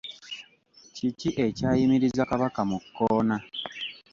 Kiki ekyayimiriza Kabaka mu kkoona?